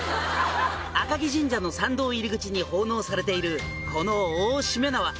「赤城神社の参道入り口に奉納されているこの大しめ縄」